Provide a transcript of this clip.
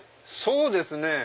そうですね。